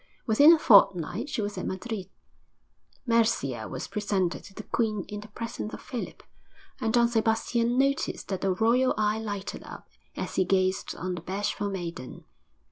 Within a fortnight she was at Madrid.... Mercia was presented to the queen in the presence of Philip, and Don Sebastian noticed that the royal eye lighted up as he gazed on the bashful maiden.